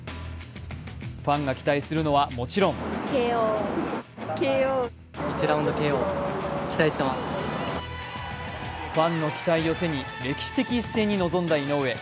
ファンが期待するのはもちろんファンの期待を背に歴史的一戦に臨んだ井上。